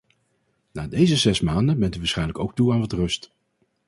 Na deze zes maanden bent u waarschijnlijk ook toe aan wat rust.